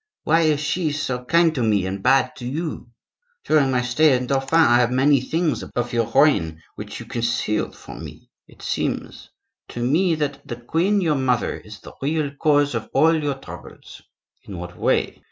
Why is she so kind to me, and bad to you? During my stay in Dauphine I heard many things about the beginning of your reign which you concealed from me; it seems to me that the queen, your mother, is the real cause of all your troubles." "In what way?"